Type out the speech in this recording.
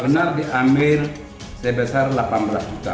benar diambil sebesar delapan belas juta